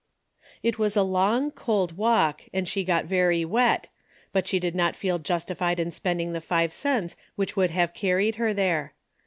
It was a long, cold walk and she got very wet, but she did not feel justified in spending the five cents which would have carried her there.